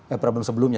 eh problem sebelumnya